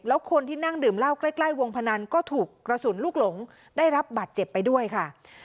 แล้วคนที่นั่งดื่มเหล้าใกล้วงพนันก็ถูกกระสุนลูกหลงได้รับบัตรเจ็บไปด้วยค่ะ